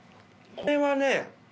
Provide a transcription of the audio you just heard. これはね